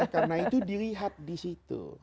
karena itu dilihat disitu